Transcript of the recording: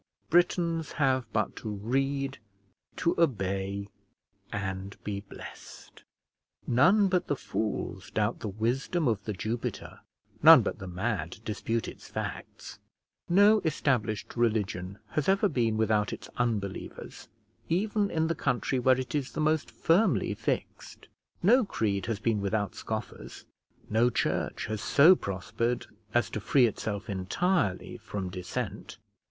Britons have but to read, to obey, and be blessed. None but the fools doubt the wisdom of The Jupiter; none but the mad dispute its facts. No established religion has ever been without its unbelievers, even in the country where it is the most firmly fixed; no creed has been without scoffers; no church has so prospered as to free itself entirely from dissent.